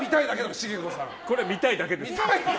これ、見たいだけです。